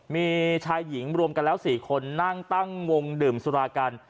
มีชายหญิงรวมกันแล้ว๔คนนั่งตั้งวงดื่มสุรากัน